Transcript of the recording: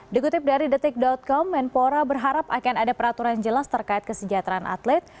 dikutip dari detik com menpora berharap akan ada peraturan jelas terkait kesejahteraan atlet